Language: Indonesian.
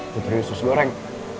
putri sus goreng